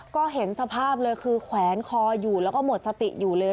ก็เห็นสภาพเลยคือแขวนคออยู่แล้วก็หมดสติอยู่เลย